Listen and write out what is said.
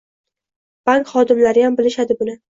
Bank xodimlariyam bilishadi buni.